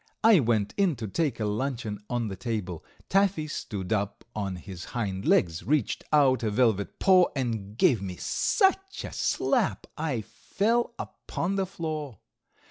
I went in to take a luncheon on the table. Taffy stood up on his hind legs, reached out a velvet paw, and gave me such a slap I fell upon the floor.